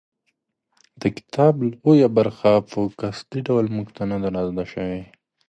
د کتاب لویه برخه په قصدي ډول موږ ته نه ده رازده شوې.